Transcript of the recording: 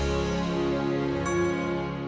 baru dipakai pak